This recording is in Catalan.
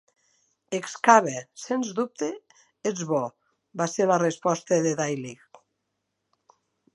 Excava, sens dubte ets bo, va ser la resposta de Daylight.